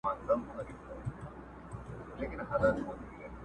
وخت به تېر وي نه راګرځي بیا به وکړې ارمانونه!.